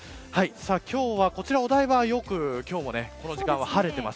今日は、こちらお台場はよく、今日もこの時間は晴れています。